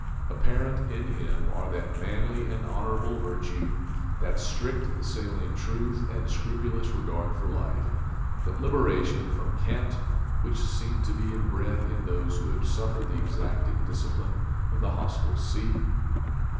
Apparent in him are that manly and honourable virtue, that strict saline truth and scrupulous regard for life, that liberation from cant, which seem to be inbred in those who have suffered the exacting discipline of the hostile sea.